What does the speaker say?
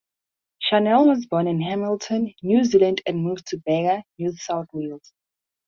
Chanel was born in Hamilton, New Zealand, and moved to Bega, New South Wales.